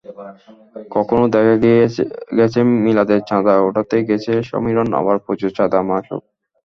কখনো দেখা গেছে মিলাদের চাঁদা ওঠাতে গেছে সমীরণ আবার পুজোর চাঁদা মাসুক।